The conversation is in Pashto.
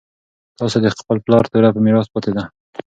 تاسو ته د خپل پلار توره په میراث پاتې ده.